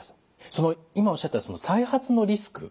その今おっしゃった再発のリスク